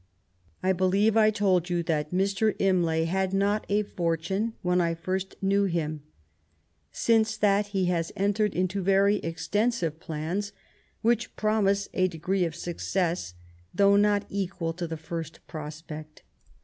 I believe I told you that Mr. Imlay had not a fortune when I first knew him; since that he has entered into very eKtensive plans which promise a degree of success, though not equal to the first prospect.